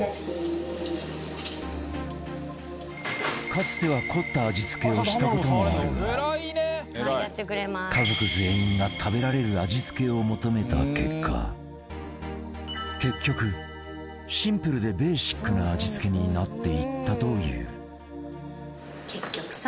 かつては凝った味付けをした事もあるが家族全員が食べられる味付けを求めた結果結局、シンプルでベーシックな味付けになっていったという結局さ。